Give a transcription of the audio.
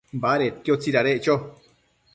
Badedquio tsidadeccho